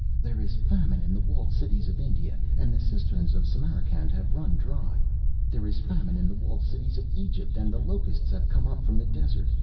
There is famine in the walled cities of India, and the cisterns of Samarcand have run dry. There is famine in the walled cities of Egypt, and the locusts have come up from the desert.